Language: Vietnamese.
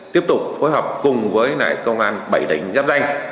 tiếp tục phối hợp cùng với công an bảy tỉnh giáp danh